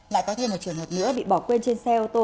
lại có thêm một trường hợp nữa bị bỏ quên trên xe ô tô